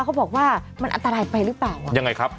เขาบอกว่ามันอันตรายไปหรือเปล่ายังไงครับ